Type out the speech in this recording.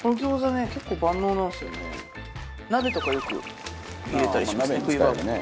鍋とかよく入れたりしますね冬場。